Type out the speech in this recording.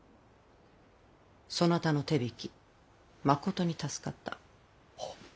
そなたの手引きまことに助かった。